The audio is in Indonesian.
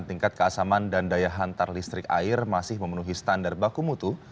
tingkat keasaman dan daya hantar listrik air masih memenuhi standar baku mutu